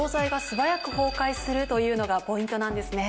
するというのがポイントなんですね。